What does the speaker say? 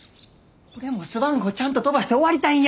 俺もスワン号ちゃんと飛ばして終わりたいんや。